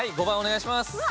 ５番お願いします。